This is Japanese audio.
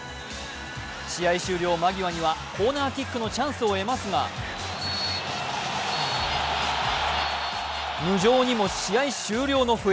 試合終了間際にはコーナーキックのチャンスを得ますが無情にも試合終了の笛。